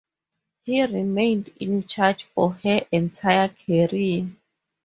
He remained in charge for her entire career.